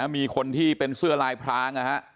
มีคนที่เป็นเสื้อลายพราง